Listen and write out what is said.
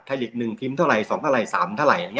ทายเล็กหนึ่งพิมพ์เท่าไหร่สองเท่าไหร่สามเท่าไหร่อย่าง